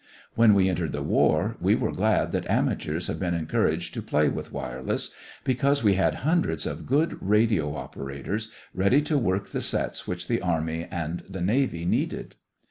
When we entered the war we were glad that amateurs had been encouraged to play with wireless, because we had hundreds of good radio operators ready to work the sets which the army and the navy needed.